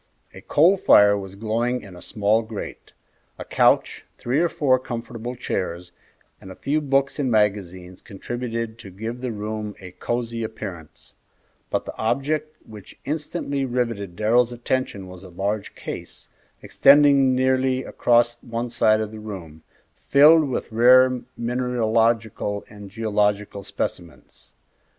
A coal fire was glowing in a small grate; a couch, three or four comfortable chairs, and a few books and magazines contributed to give the room a cosey appearance, but the object which instantly riveted Darrell's attention was a large case, extending nearly across one side of the room, filled with rare mineralogical and geological specimens.